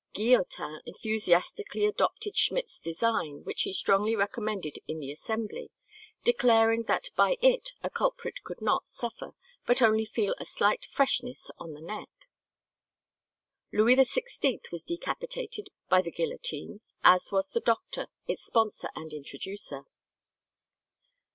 Guillotin enthusiastically adopted Schmidt's design, which he strongly recommended in the assembly, declaring that by it a culprit could not suffer, but only feel a slight freshness on the neck. Louis XVI was decapitated by the guillotine, as was the doctor, its sponsor and introducer.